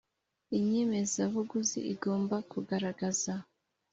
inyemezabuguzi igomba kugaragaza